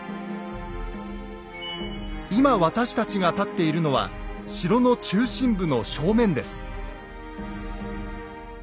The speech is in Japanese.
今私たちが立っているのは城の中心部の正面です。